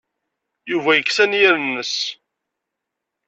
Yuba yekres anyir-nnes.